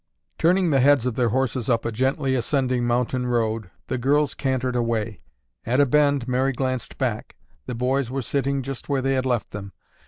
Turning the heads of their horses up a gently ascending mountain road, the girls cantered away. At a bend, Mary glanced back. The boys were sitting just where they had left them.